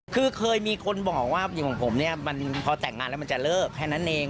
คือเคยมีคนบอกว่าอย่างของผมเนี่ยมันพอแต่งงานแล้วมันจะเลิกแค่นั้นเอง